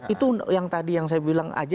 itu yang tadi yang saya bilang aja